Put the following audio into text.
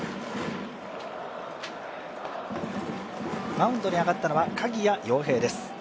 マウンドに上がったのは鍵谷陽平です。